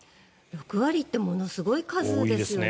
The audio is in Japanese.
６割ってものすごい数ですよね。